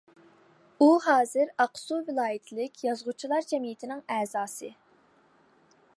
ئۇ ھازىر ئاقسۇ ۋىلايەتلىك يازغۇچىلار جەمئىيىتىنىڭ ئەزاسى.